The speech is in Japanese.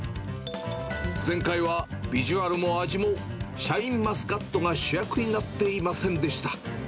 前回はヴィジュアルも味もシャインマスカットが主役になっていませんでした。